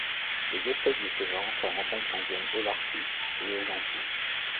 Les espèces de ce genre se rencontrent en zone holarctique et aux Antilles.